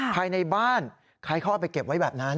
ภายในบ้านใครเขาเอาไปเก็บไว้แบบนั้น